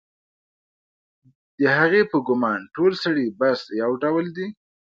د هغې په ګومان ټول سړي بس یو ډول دي